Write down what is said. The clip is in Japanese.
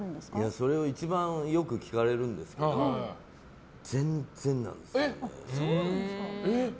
それを一番よく聞かれるんですけど全然なんですよ。